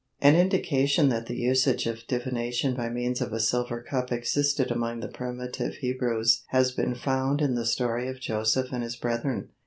An indication that the usage of divination by means of a silver cup existed among the primitive Hebrews has been found in the story of Joseph and his brethren.